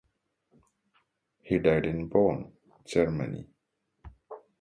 He died in Bonn, Germany.